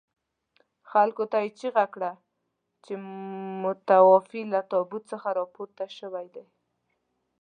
خلکو ته یې چيغه کړه چې متوفي له تابوت څخه راپورته شوي دي.